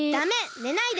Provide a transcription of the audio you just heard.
ねないで！